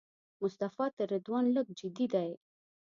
مصطفی تر رضوان لږ جدي دی.